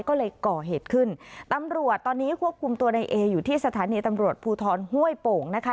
ก็เลยก่อเหตุขึ้นตำรวจตอนนี้ควบคุมตัวในเออยู่ที่สถานีตำรวจภูทรห้วยโป่งนะคะ